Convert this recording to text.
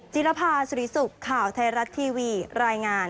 รภาสุริสุขข่าวไทยรัฐทีวีรายงาน